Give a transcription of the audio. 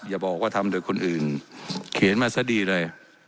อย่าบอกว่าทำโดยคนอื่นเขียนมาซะดีเลย